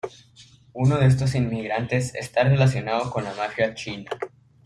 Uno de estos inmigrantes está relacionado con la mafia china.